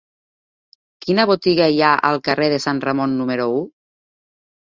Quina botiga hi ha al carrer de Sant Ramon número u?